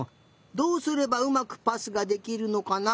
どうすればうまくパスができるのかな？